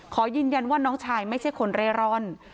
ขอยืนยันว่าน้องชายไม่ใช่คนเร่ร่อน